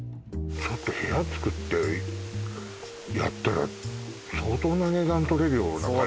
ちょっと部屋つくってやったら相当な値段取れるような感じじゃない？